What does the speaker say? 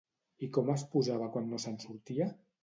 I com es posava quan no se'n sortia?